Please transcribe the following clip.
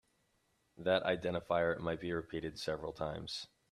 That identifier might be repeated several times.